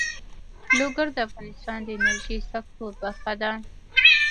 لوگر د افغانستان د انرژۍ سکتور برخه ده.